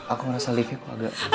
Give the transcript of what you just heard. aku merasa liftnya aku agak